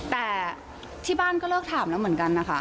แต่ที่บ้านก็เลิกถามแล้วเหมือนกันนะคะ